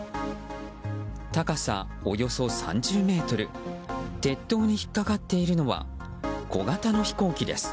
高さおよそ３０ｍ鉄塔に引っかかっているのは小型の飛行機です。